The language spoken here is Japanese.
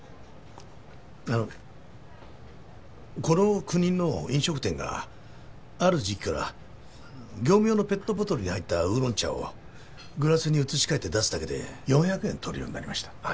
この国の飲食店がある時期から業務用のペットボトルに入ったウーロン茶をグラスに移し替えて出すだけで４００円取るようになりました。